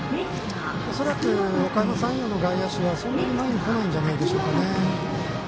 恐らくおかやま山陽の外野手はそんなに前に来ないんじゃないでしょうか。